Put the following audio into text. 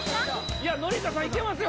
いや紀香さんいけますよ